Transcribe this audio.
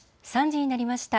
３時になりました。